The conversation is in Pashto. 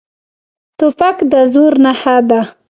توپک د زور نښه ده.